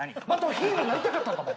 ヒーローになりたかったのかお前。